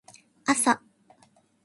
朝